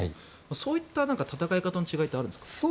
そういった戦い方の違いってあるんですか？